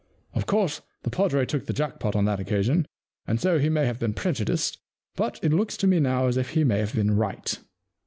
Of course, the padre took the jack pot on that occasion, and so he may have been prejudiced, but it looks to me now as if he may have been right.